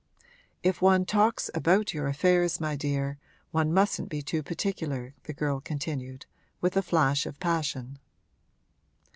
If one talks about your affairs, my dear, one mustn't be too particular!' the girl continued, with a flash of passion.